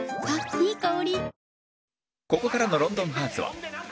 いい香り。